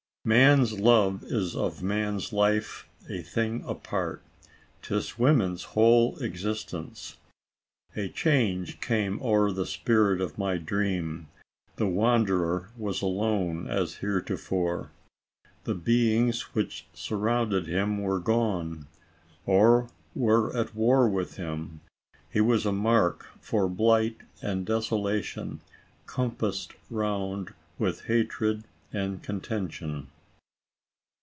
Man's love is of man's life a thing apart ; 'Tis woman's whole existence." " A change came o'er the spirit of my dream — The wanderer was alone as heretofore, The beings which surrounded him were gone, Or were at war with him; he was a mark For blight and desolation, compassed round With hatred and contention."